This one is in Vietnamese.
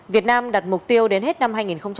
việt nam đặt mục tiêu đến hết năm hai nghìn hai mươi